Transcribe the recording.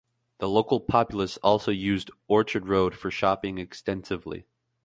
The local populace also use Orchard Road for shopping extensively.